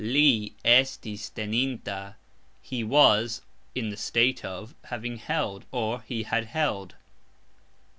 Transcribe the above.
Li estis teninta ............ He was (in the state of) having held, or, he had held.